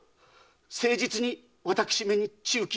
誠実に私めに忠勤を。